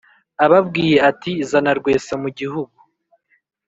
ababwiye ati zana rwesamu gihugu.